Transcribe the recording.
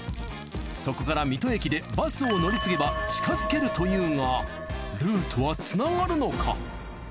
そこから水戸駅でバスを乗り継げば近づけるというがルートは繋がるのか？